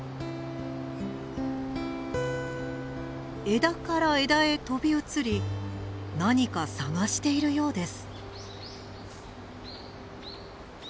枝から枝へ飛び移り何か探しているようです。